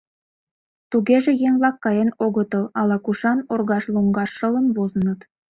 Тугеже еҥ-влак каен огытыл, ала-кушан оргаж лоҥгаш шылын возыныт.